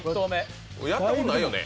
やったことないよね？